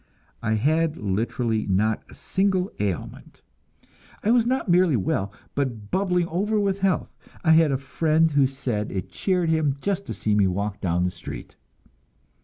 I had literally not a single ailment. I was not merely well, but bubbling over with health. I had a friend who said it cheered him up just to see me walk down the street.